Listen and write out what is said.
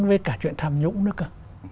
với cả chuyện tham nhũng nữa cơ